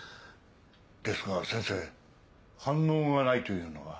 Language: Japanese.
ですが先生反応がないというのは？